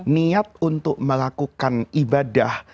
niat untuk melakukan ibadah